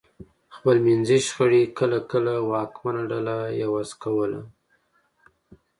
خپلمنځي شخړې کله کله واکمنه ډله عوض کوله